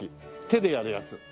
手でやるやつ。